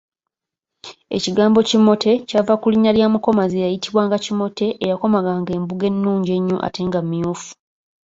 Ekigambo kimote kyava ku linnya lya mukomazi eyayitibwanga Kimote eyakomaganga embugo ennungi ennyo ate nga myufu.